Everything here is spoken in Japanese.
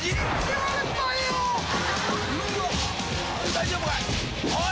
［大丈夫か⁉おい！